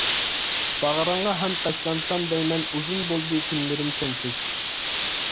باغرىڭغا ھەم تاشلانسام دەيمەن، ئۇزۇن بولدى كۈنلىرىم سەنسىز.